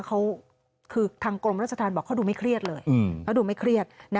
คือทางกรมรัฐสถานบอกเขาดูไม่เครียดเลยไม่เครียด